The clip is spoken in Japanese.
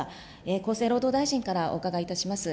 厚生労働大臣からお伺いいたします。